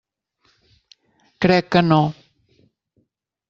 Crec que no.